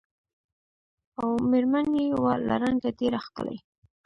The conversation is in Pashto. او مېر من یې وه له رنګه ډېره ښکلې